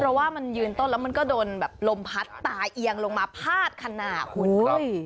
เพราะว่ามันยืนต้นแล้วมันก็โดนแบบลมพัดตาเอียงลงมาพาดขนาดคุณ